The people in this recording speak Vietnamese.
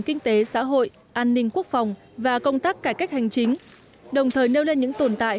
kinh tế xã hội an ninh quốc phòng và công tác cải cách hành chính đồng thời nêu lên những tồn tại